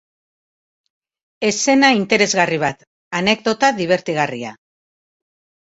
Eszena interesgarri bat, anekdota dibertigarria.